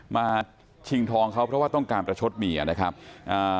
ชิงทองเขาเพราะว่าต้องการประชดเมียนะครับอ่า